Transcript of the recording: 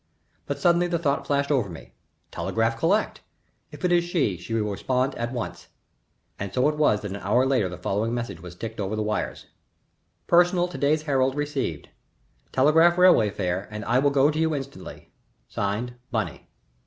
But suddenly the thought flashed over me telegraph collect. If it is she, she will respond at once. And so it was that an hour later the following message was ticked over the wires: "Personal to day's Herald received. Telegraph railway fare and I will go to you instantly. (Signed), BUNNY."